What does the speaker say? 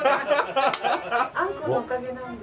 あんこうのおかげなんです。